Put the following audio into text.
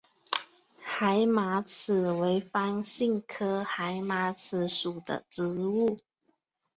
海马齿为番杏科海马齿属的植物。